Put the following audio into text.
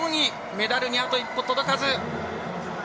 メダルにあと一歩届かず。